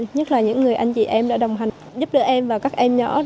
nhất là những người anh chị em đã đồng hành giúp đỡ em và các em nhỏ